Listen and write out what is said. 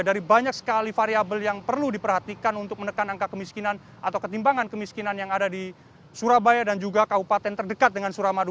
dari banyak sekali variable yang perlu diperhatikan untuk menekan angka kemiskinan atau ketimbangan kemiskinan yang ada di surabaya dan juga kabupaten terdekat dengan suramadu